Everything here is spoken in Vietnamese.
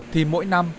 thì mỗi năm